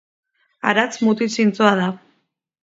Aratz mutil zintzoa da